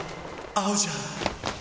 合うじゃん！！